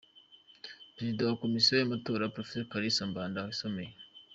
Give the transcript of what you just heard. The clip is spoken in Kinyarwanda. Perezida wa Komisiyo y’Amatora, Prof Kalisa Mbanda wasomeye.